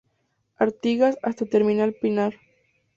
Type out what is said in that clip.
Artigas hasta terminal pinar.